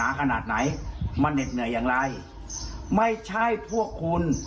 อาจารย์เฉิน